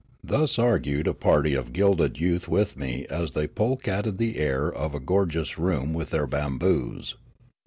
Thus argued a party of gilded ^ outh with me as the} polecatted the air of a gorgeous room with their bamboos.